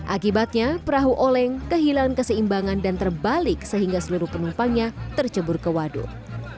akibatnya perahu oleng kehilangan keseimbangan dan terbalik sehingga seluruh penumpangnya tercebur ke waduk